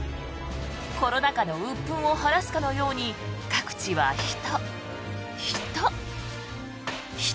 コロナ禍のうっ憤を晴らすかのように各地は人、人、人。